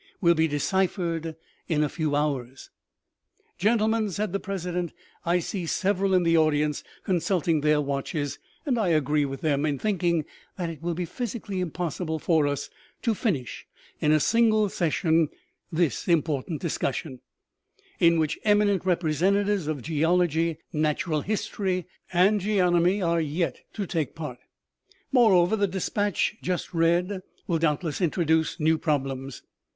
Will be deciphered in a few hours." " Gentlemen," said the president, " I see several in the audience consulting their watches, and I agree with them in thinking that it will be physically impossible for us to finish in a single session this important discussion, in which eminent representatives of geology, natural history and geonomy are yet to take part. Moreover, the despatch just read will doubtless introduce new problems.